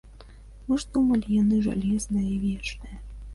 Мы ж думалі, яны жалезныя і вечныя.